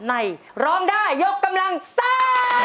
ร้องได้ยกกำลังซ่า